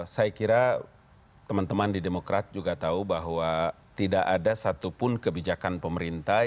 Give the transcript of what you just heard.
saya kira teman teman di demokrat juga tahu bahwa tidak ada satupun kebijakan pemerintah